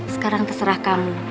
sekarang terserah kamu